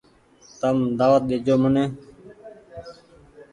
تم دآوت ڏيجو مني ۔